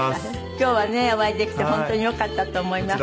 今日はねお会いできて本当によかったと思います。